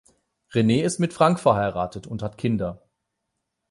Rene ist mit Frank verheiratet und hat Kinder.